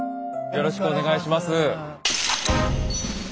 よろしくお願いします。